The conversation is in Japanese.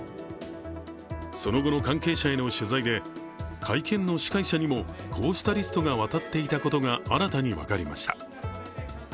その後の関係者への取材で会見の司会者にも、こうしたリストが渡っていたことが新たに分かりました。